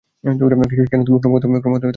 কেন তুমি ক্রমাগত আমার লক্ষ্য পূরণে বাধা দাও?